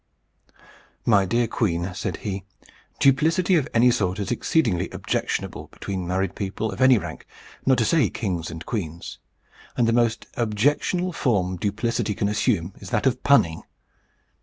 "My dear queen," said he, "duplicity of any sort is exceedingly objectionable between married people of any rank, not to say kings and queens; and the most objectionable form duplicity can assume is that of punning."